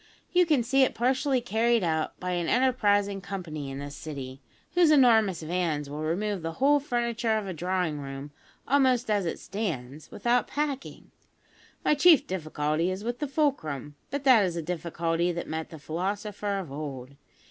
You can see it partially carried out by an enterprising company in this city, whose enormous vans will remove the whole furniture of a drawing room, almost as it stands, without packing. My chief difficulty is with the fulcrum; but that is a difficulty that met the philosopher of old.